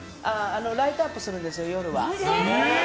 ライトアップするんですよ、夜は。